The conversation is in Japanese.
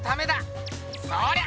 そりゃ！